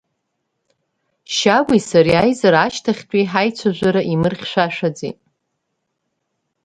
Шьагәи сареи аизара ашьҭахьтәи ҳаицәажәара имырхьшәашәаӡеит.